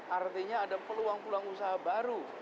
artinya ada peluang peluang usaha baru